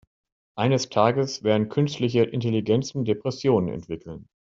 Eines Tages werden künstliche Intelligenzen Depressionen entwickeln.